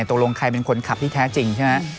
ตกลงใครเป็นคนขับที่แท้จริงใช่ไหม